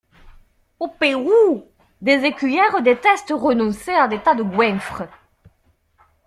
Au Pérou, des écuyères détestent renoncer à des tas de goinfres.